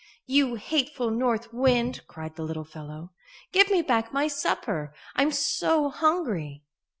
"You hateful North Wind!" cried the little fellow. "Give me back my supper, I'm so hungry."